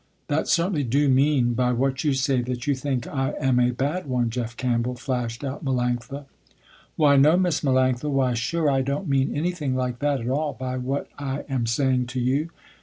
"That certainly do mean, by what you say, that you think I am a bad one, Jeff Campbell," flashed out Melanctha. "Why no, Miss Melanctha, why sure I don't mean any thing like that at all, by what I am saying to you.